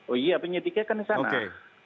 oh iya penyidiknya kan di sana